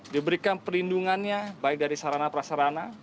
diberikan perlindungannya baik dari sarana prasarana